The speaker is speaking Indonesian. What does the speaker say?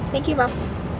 thank you mam